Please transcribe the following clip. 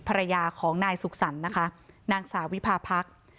ภรรยาของนายสุขสรรค์นะคะนางสาวิพาพักษ์